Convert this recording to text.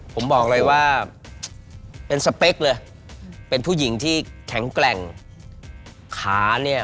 ผมบอกเลยว่าเป็นสเปคเลยเป็นผู้หญิงที่แข็งแกร่งขาเนี่ย